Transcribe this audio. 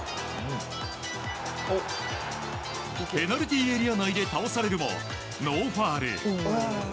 ペナルティーエリア内で倒されるもノーファウル。